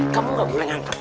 kamu gak boleh ngangkat